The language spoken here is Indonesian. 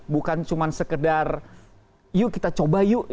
bukan cuma sekedar yuk kita coba yuk